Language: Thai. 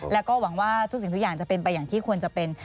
แล้วก็หวังว่าทุกสิ่งทุกอย่างจะเป็นไปอย่างที่ควรจะเป็น